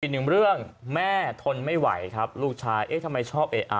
อีกหนึ่งเรื่องแม่ทนไม่ไหวครับลูกชายเอ๊ะทำไมชอบเอ๊ะอ่ะ